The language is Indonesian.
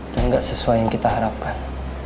dan nggak sesuai yang kita harapkan